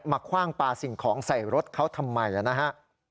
คว่างปลาสิ่งของใส่รถเขาทำไมนะฮะ